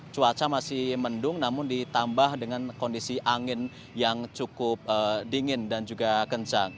cuaca masih mendung namun ditambah dengan kondisi angin yang cukup dingin dan juga kencang